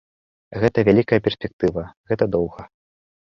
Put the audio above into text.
Гэта вялікая перспектыва, гэта доўга.